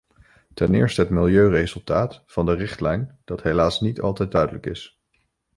Ten eerste het milieuresultaat van de richtlijn dat helaas niet altijd duidelijk is.